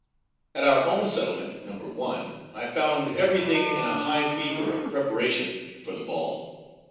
At our own settlement (No. 1) I found everything in a high fever of preparation for the ball.